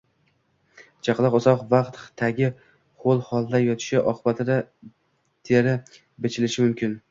Chaqaloq uzoq vaqt tagi ho‘l holda yotishi oqibatida teri bichilishi mumkin.